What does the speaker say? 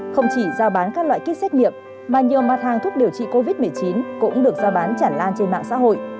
không chỉ giao bán các loại kit xét nghiệm mà nhiều mặt hàng thuốc điều trị covid một mươi chín cũng được giao bán chản lan trên mạng xã hội